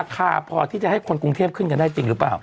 พอที่จะให้คนกรุงเทพขึ้นกันได้จริงหรือเปล่า